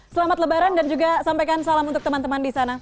selamat lebaran dan juga sampaikan salam untuk teman teman di sana